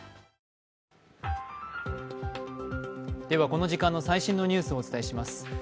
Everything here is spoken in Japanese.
この時間の最新のニュースをお伝えします。